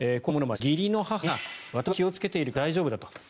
義理の母が私は気をつけているから大丈夫だと。